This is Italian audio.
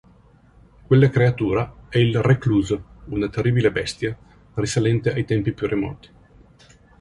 Quella creatura è il Recluso, una terribile bestia risalente ai tempi più remoti.